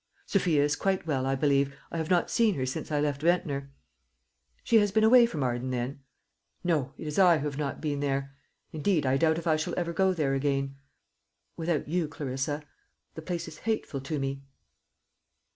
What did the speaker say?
"Sophia is quite well, I believe. I have not seen her since I left Ventnor." "She has been away from Arden, then?" "No; it is I who have not been there. Indeed, I doubt if I shall ever go there again without you, Clarissa. The place is hateful to me."